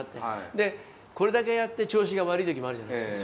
でこれだけやって調子が悪い時もあるじゃないですか。